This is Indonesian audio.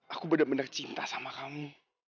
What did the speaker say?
aku bener bener cinta sama kamu